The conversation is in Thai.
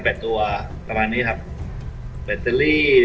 สวัสดีครับวันนี้เราจะกลับมาเมื่อไหร่